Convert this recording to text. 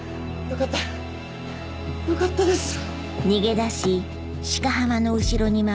よかったです。